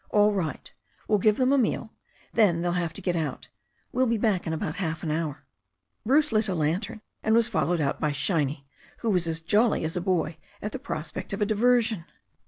'All right. We'll give them a meal. Then they'll have to get out. We'll be back in about half an hour." "]\ 78 THE STORY OF A NEW ZEALAND RIVER Bruce lit a lantern, and was followed out by Shiny, who was as jolly as a boy at the prospect of a diversion.